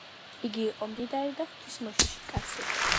იგი იყო მდიდარი და ღვთის მოშიში კაცი